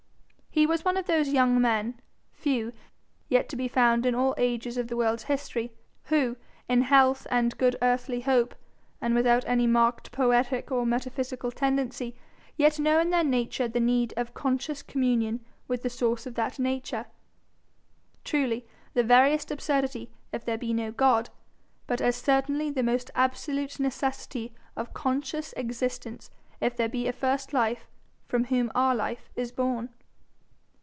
He was one of those young men, few, yet to be found in all ages of the world's history, who, in health and good earthly hope, and without any marked poetic or metaphysical tendency, yet know in their nature the need of conscious communion with the source of that nature truly the veriest absurdity if there be no God, but as certainly the most absolute necessity of conscious existence if there be a first life from whom our life is born.